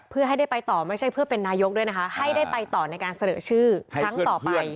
เพื่อให้ได้ไปต่อไม่ใช่เพื่อเป็นนายกด้วยนะคะให้ได้ไปต่อในการเสนอชื่อครั้งต่อไป